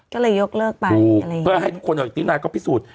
ก็เลยยกเลิกไปปรูปเพื่อให้ทุกคนติ๊นาก็พิสูจน์